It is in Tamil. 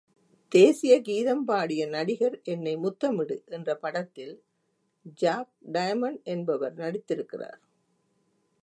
தேசிய கீதம் பாடிய நடிகர் என்னை முத்தமிடு, என்ற படத்தில், ஜாக் டயமண்ட் என்பவர் நடித்திருக்கிறார்.